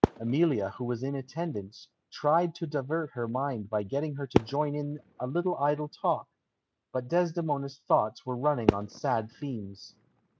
Emilia, who was in attendance, tried to divert her mind by getting her to join in a little idle talk, but Desdemona's thoughts were running on sad themes.